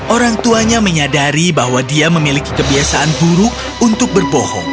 orang tuanya menyadari bahwa dia memiliki kebiasaan buruk untuk berbohong